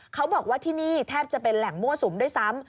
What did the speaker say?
เขาบอกว่าที่นี่แทบจะเป็นแหล่งมั่วสุมด้วยซ้ำ